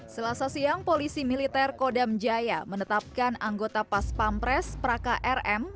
selasa siang polisi militer kodam jaya menetapkan anggota pas pampres praka rm